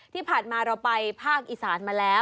ที่ผ่านมาเราไปภาคอีสานมาแล้ว